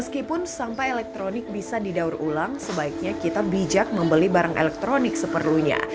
meskipun sampah elektronik bisa didaur ulang sebaiknya kita bijak membeli barang elektronik seperlunya